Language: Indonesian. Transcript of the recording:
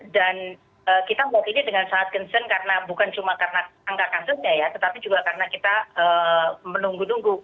dan kita buat ini dengan sangat concern karena bukan cuma karena angka kasusnya ya tetapi juga karena kita menunggu nunggu